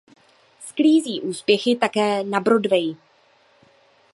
Sklízí úspěchy také na Broadwayi.